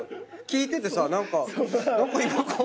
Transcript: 聞いててさ何か違和感。